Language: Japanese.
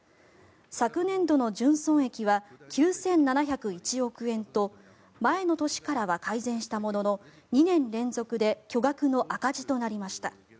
昨年度の純損益は９７０１億円と前の年からは改善したものの２年連続で巨額の赤字となりました。